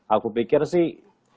aku pikir sih